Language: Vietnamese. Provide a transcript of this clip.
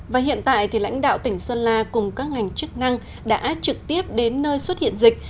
và hiện tại thì lãnh đạo tỉnh sơn la cùng các ngành chức năng đã trực tiếp đến nơi xuất hiện dịch